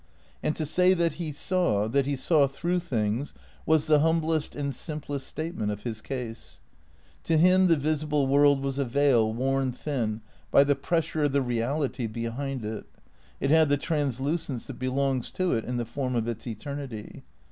And to say that he saw, that he saw through things, was the humblest and simplest statement of his case. To him the visible world was a veil worn thin by the pressure of the reality behind it; it had the translucence that belongs to it in the form of its eternity.